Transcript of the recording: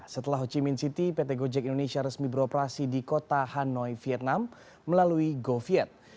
setelah ho chi minh city pt gojek indonesia resmi beroperasi di kota hanoi vietnam melalui goviet